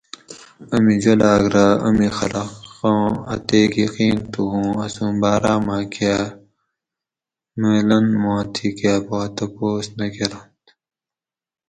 امی جولاگ رہ امی خلقاں اتیک یقین تھو اوں اسوں باراۤ ماۤکہ ملن ما تھی کہ پا تپوس نہ کۤرنت